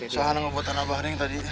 suha nang buatan abah neng tadi